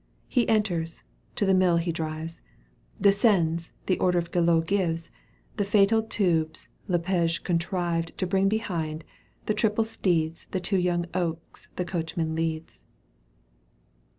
171 He enters : to the mill he drives : Descends, the order Guillot gives, The fatal tubes Lepage contrived *^ To bring behind : the triple steeds To two young oaks the coachman leads.